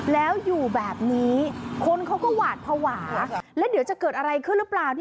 แล้วอยู่แบบนี้คนเขาก็หวาดภาวะแล้วเดี๋ยวจะเกิดอะไรขึ้นหรือเปล่า